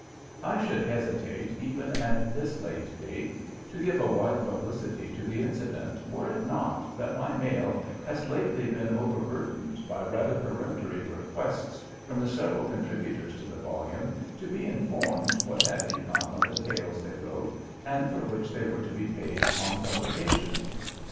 I should hesitate even at this late date to give a wide publicity to the incident were it not that my mail has lately been overburdened by rather peremptory requests from the several contributors to the volume to be informed what had become of the tales they wrote and for which they were to be paid on publication.